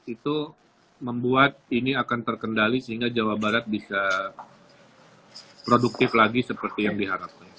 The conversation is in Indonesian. itu membuat ini akan terkendali sehingga jawa barat bisa produktif lagi seperti yang diharapkan